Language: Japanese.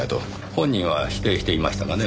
本人は否定していましたがね。